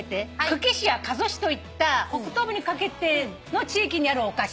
久喜市や加須市といった北東部にかけた地域にあるお菓子。